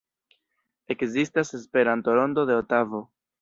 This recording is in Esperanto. Ekzistas Esperanto-Rondo de Otavo.